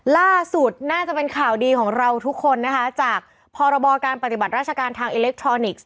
ล่าสุดน่าจะเป็นข่าวดีของเราทุกคนนะคะจากพรบการปฏิบัติราชการทางอิเล็กทรอนิกส์